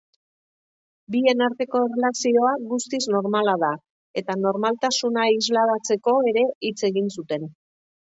Bien arteko erlazioa guztiz normala da eta normaltasuna isladatzeko ere hitz egin zuten.